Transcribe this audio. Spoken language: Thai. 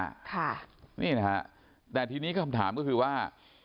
ค่ะนี่นะฮะแต่ทีนี้คำถามก็คือว่า